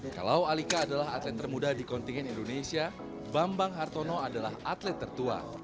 kalau alika adalah atlet termuda di kontingen indonesia bambang hartono adalah atlet tertua